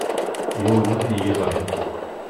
Yiwen ur iyi-yeẓri.